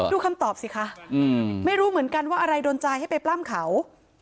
คำตอบสิคะไม่รู้เหมือนกันว่าอะไรโดนใจให้ไปปล้ำเขา